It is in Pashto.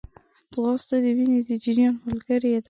ځغاسته د وینې د جریان ملګری ده